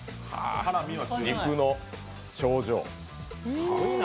肉の頂上。